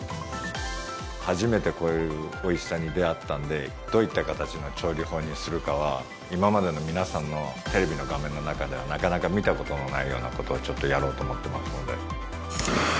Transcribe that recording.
初めてこういうおいしさに出会ったのでどういった形の調理法にするかは今までの皆さんのテレビの画面の中ではなかなか見た事のないような事をちょっとやろうと思ってますので。